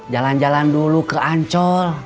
jalan jalan dulu ke ancol